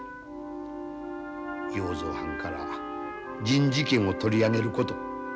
要造はんから人事権を取り上げること。